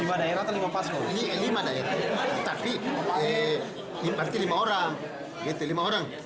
ada dua kode lebih lima daerah dan lima pasang ini lima daerah tapi berarti lima orang lima orang saya nyimpul lima daerah lima orang